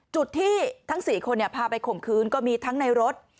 จุดที่ทั้ง๔คนพาไปข่มคืนก็มีทั้งในรถ